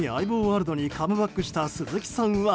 ワールドにカムバックした鈴木さんは。